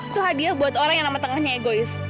itu hadiah buat orang yang nama tengahnya egois